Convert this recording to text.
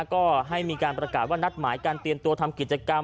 ก็ให้มีการประกาศว่านัดหมายการเตรียมตัวทำกิจกรรม